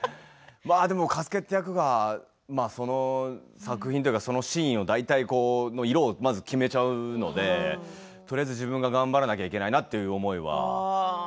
加助という役がその作品というかそのシーンを大体色を決めちゃうのでとりあえず自分が頑張らなきゃいけないなという思いは。